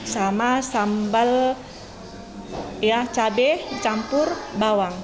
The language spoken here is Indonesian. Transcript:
sama sambal cabai campur bawang